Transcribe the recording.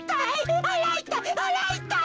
あらいたい！